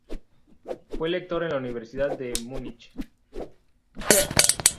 Fue lector en la Universidad de Múnich.